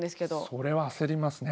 それは焦りますね。